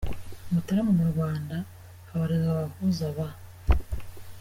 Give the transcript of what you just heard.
Mutarama.Mu Rwanda habarizwa abahuza ba.